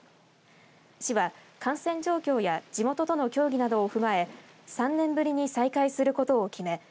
市は、感染状況や地元との協議など踏まえ３年ぶりに再開することを決め